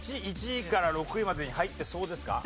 １位から６位までに入ってそうですか？